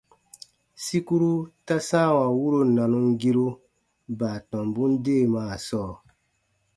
Sikuru ta sãawa wuro nanumgiru baatɔmbun deemaa sɔɔ.